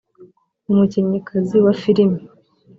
umukinnyikazi wa filime